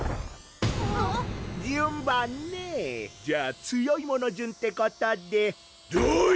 順番ねぇじゃあ強い者順ってことでどうよ！